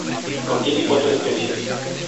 Contiene cuatro especies.